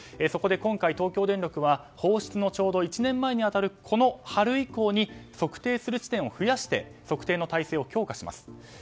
そこで今回、東京電力は放出のちょうど１年前に当たるこの春以降に測定する地点を増やして測定体制を強化します。